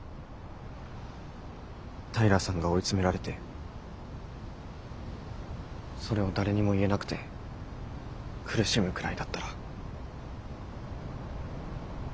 平さんが追い詰められてそれを誰にも言えなくて苦しむくらいだったら。